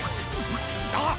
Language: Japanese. あっ！